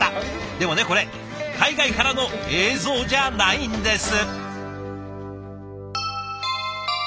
でもねこれ海外からの映像じゃないんです。